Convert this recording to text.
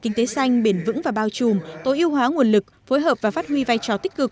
kinh tế xanh biển vững và bao trùm tối ưu hóa nguồn lực phối hợp và phát huy vai trò tích cực